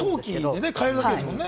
登記を変えるだけですもんね。